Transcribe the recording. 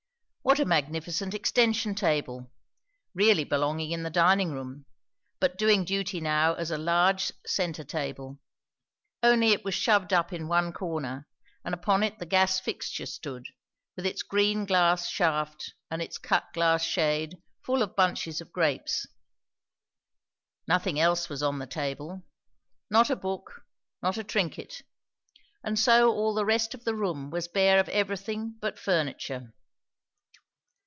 What a magnificent extension table, really belonging in the dining room, but doing duty now as a large centre table, only it was shoved up in one corner; and upon it the gas fixture stood, with its green glass shaft and its cut glass shade full of bunches of grapes. Nothing else was on the table; not a book; not a trinket; and so all the rest of the room was bare of everything but furniture.